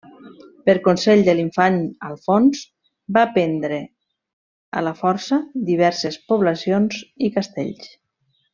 Per consell de l'Infant Alfons va prendre a la força diverses poblacions i castells.